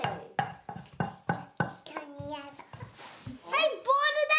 はいボールだ！